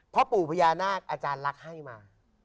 พ่อปู่พญานาคอาจารย์ลักษณ์ให้มา